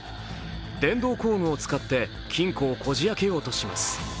電動工具を使って金庫をこじ開けようとします。